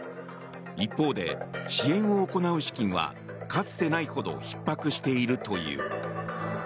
一方で支援を行う資金はかつてないほどひっ迫しているという。